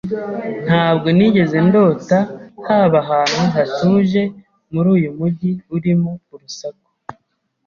Ntabwo nigeze ndota haba ahantu hatuje muri uyu mujyi urimo urusaku.